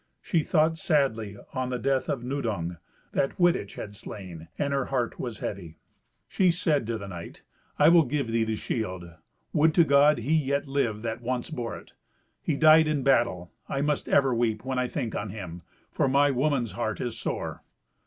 She thought sadly on the death of Nudung, that Wittich had slain; and her heart was heavy. She said to the knight, "I will give thee the shield. Would to God he yet lived that once bore it! He died in battle. I must ever weep when I think on him, for my woman's heart is sore."